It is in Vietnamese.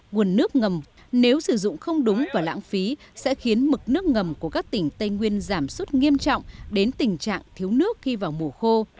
nguồn nước ngầm nếu sử dụng không đúng và lãng phí sẽ khiến mực nước ngầm của các tỉnh tây nguyên giảm sút nghiêm trọng đến tình trạng thiếu nước khi vào mùa khô